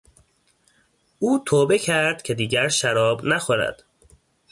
او توبه کرد که دیگر شراب نخورد.